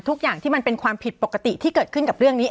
ทุกอย่างที่มันเป็นความผิดปกติที่เกิดขึ้นกับเรื่องนี้